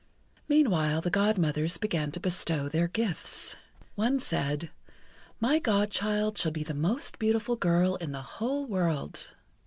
Meanwhile the Godmothers began to bestow their gifts. One said: "My Godchild shall be the most beautiful girl in the whole world."